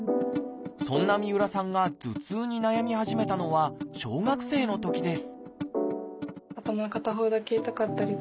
そんな三浦さんが頭痛に悩み始めたのは小学生のときです